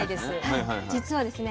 実はですね